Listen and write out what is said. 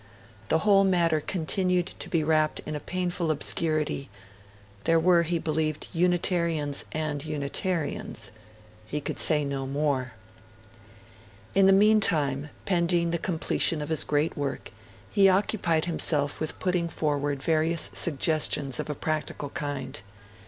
The whole matter continued to be wrapped in a painful obscurity, There were, he believed, Unitarians and Unitarians; and he could say no more. In the meantime, pending the completion of his great work, he occupied himself with putting forward various suggestions of a practical kind.